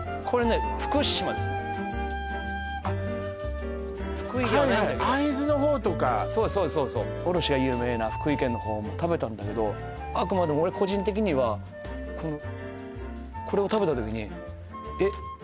これね福島ですね福井ではないんだけど会津のほうとかそうそうそうそうおろしが有名な福井県のほうも食べたんだけどあくまでも俺個人的にはこのこれを食べた時にえっ？